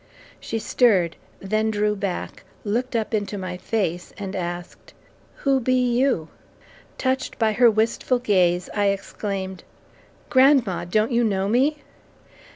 She stirred, then drew back, looked up into my face and asked, "Who be you?" Touched by her wistful gaze, I exclaimed, "Grandma, don't you know me?"